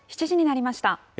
７時になりました。